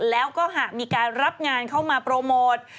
แล้วก็หากมีการรับงานเข้ามาโปรโมท